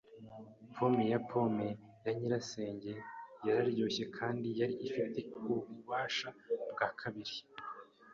Pome ya pome ya nyirasenge yararyoshye kandi yari afite ubufasha bwa kabiri.